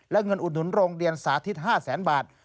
และเงินอุดหนุนโรงเรียนสาธิต๕แสนบาท